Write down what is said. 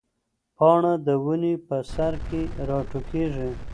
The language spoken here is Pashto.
پاڼه د ونې په سر کې راټوکېږي.